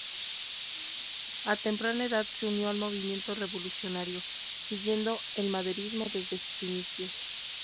A temprana edad se unió al movimiento revolucionario, siguiendo el maderismo desde sus inicios.